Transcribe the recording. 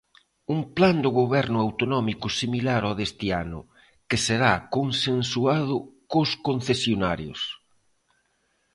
Un plan do Goberno autonómico similar ao deste ano, que será consensuado cos concesionarios.